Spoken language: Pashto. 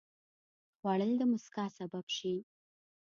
خوړل د مسکا سبب شي